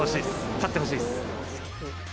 勝ってほしいです。